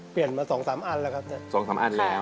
เปลี่ยนมา๒๓อันแล้วครับ